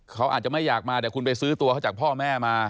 เขาอาจจะไม่อยากมาแต่คุณไปซื้อตัวเขาจากพ่อแม่มา